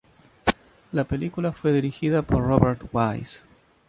La película fue dirigida por Robert Wise.